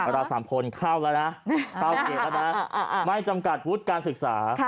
เราสามคนเข้าแล้วนะไม่จำกัดวุฒิการศึกษา